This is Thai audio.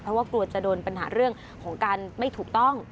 เพราะว่ากลัวจะโดนปัญหาเรื่องของการไม่ถูกต้อง